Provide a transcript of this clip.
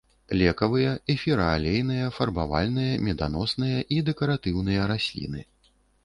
Лекавыя, эфіраалейныя, фарбавальныя, меданосныя і дэкаратыўныя расліны.